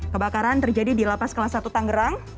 kebakaran terjadi di lapas kelas satu tangerang